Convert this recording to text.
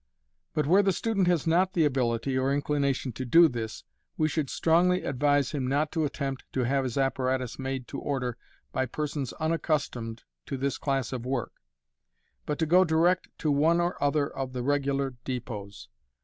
But where the student has not the ability or inclination to do this, we should strongly advise him not to attempt to have his apparatus made to order by persons unaccustomed to this class of work, but to go direct to one or other of the regular depots.